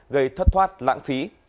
gây thất thoát lãng phí